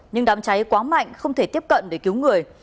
nhưng đám cháy quá mạnh không thể tiếp cận để cứu người